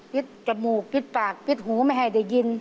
ปิดกระหมูกปิดปากปิดหูไม่ให้ได้ยิน